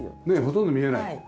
ねえほとんど見えない。